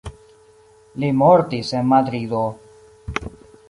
Li mortis en Madrido.